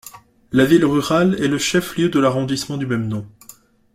La ville rurale est le chef-lieu de l’arrondissement du même nom.